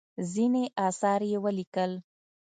ځینې اثار یې ولیکل.